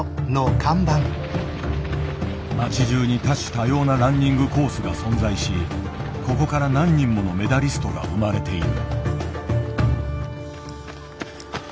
町じゅうに多種多様なランニングコースが存在しここから何人ものメダリストが生まれている。